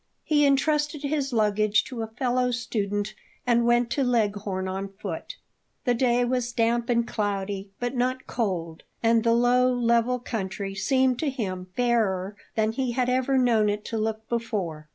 He intrusted his luggage to a fellow student and went to Leghorn on foot. The day was damp and cloudy, but not cold; and the low, level country seemed to him fairer than he had ever known it to look before.